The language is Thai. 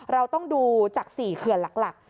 เราต้องดูจาก๔เขื่อนหลัก